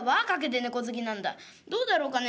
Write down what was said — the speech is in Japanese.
どうだろうかね。